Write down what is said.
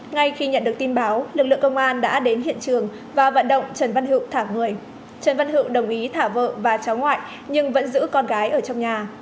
ngay khi nhận được tin báo lực lượng công an đã đến hiện trường và vận động trần văn hữu thả người trần văn hữu đồng ý thả vợ và cháu ngoại nhưng vẫn giữ con gái ở trong nhà